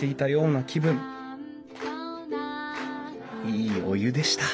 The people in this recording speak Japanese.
いいお湯でした